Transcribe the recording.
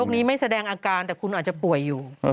นี้ไม่แสดงอาการแต่คุณอาจจะป่วยอยู่